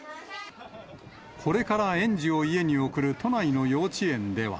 これから園児を家に送る都内の幼稚園では。